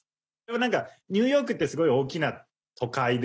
なんかニューヨークってすごい大きな都会で